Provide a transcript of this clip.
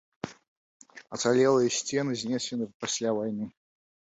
Ацалелыя сцены знесены пасля вайны.